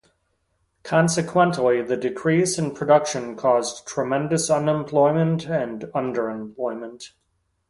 Consequently, the decrease in production caused tremendous unemployment and underemployment.